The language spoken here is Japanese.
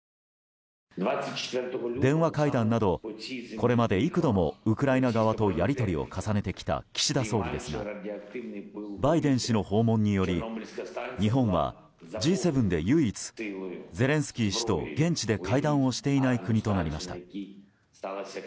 電話会談など、これまで幾度もウクライナ側とやり取りを重ねてきた岸田総理ですがバイデン氏の訪問により日本はＧ７で唯一ゼレンスキー氏と現地で会談をしていない国となりました。